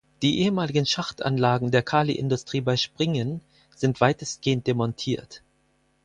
Die ehemaligen Schachtanlagen der Kaliindustrie bei Springen sind weitestgehend demontiert.